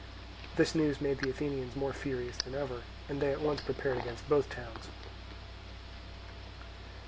This news made the Athenians more furious than ever, and they at once prepared against both towns.